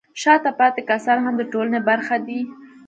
شاته پاتې کسان هم د ټولنې برخه دي.